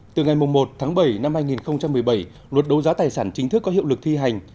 từ ngày một tháng bảy năm hai nghìn một mươi bảy luật đấu giá tài sản chính thức có hiệu lực thi hành